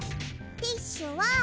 ティッシュは。